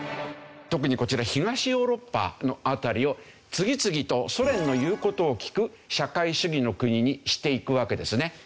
特にこちら東ヨーロッパの辺りを次々とソ連の言う事を聞く社会主義の国にしていくわけですね。